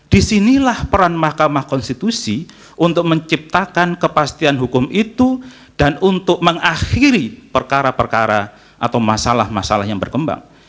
disinilah peran mahkamah konstitusi untuk menciptakan kepastian hukum itu dan untuk mengakhiri perkara perkara atau masalah masalah yang berkembang